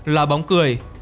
là bóng cười